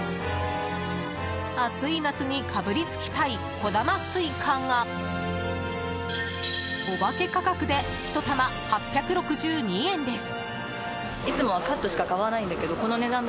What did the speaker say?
暑い夏にかぶりつきたい小玉スイカがオバケ価格で１玉８６２円です。